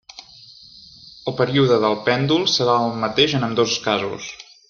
El període del pèndol serà el mateix en ambdós casos.